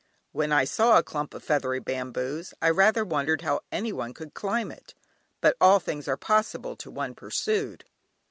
When I saw a clump of feathery bamboos I rather wondered how anyone could climb it; but all things are possible to one pursued.